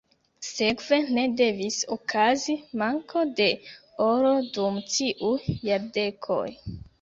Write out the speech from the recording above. Sekve ne devis okazi manko de oro dum tiuj jardekoj.